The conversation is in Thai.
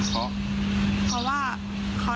เพราะว่าเขาน่าจะโดน